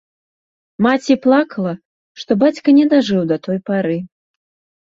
Маці плакала, што бацька не дажыў да той пары.